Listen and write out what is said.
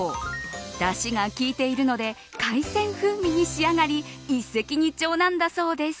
だしが利いているので海鮮風味に仕上がり一石二鳥なんだそうです。